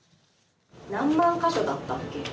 何万か所だったけ。